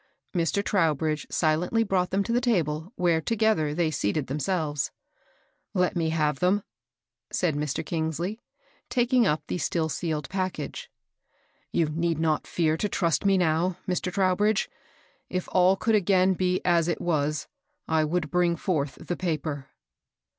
Mr. Trowbridge silently brought them to the table, where together they seated themselves. Let me have them," said Mr. Bangsley, taking up the still sealed package. ^^ Ton need not fear to trust me now, Mr. Trowbridge. If all could again be as it was, I would bring forth the paper."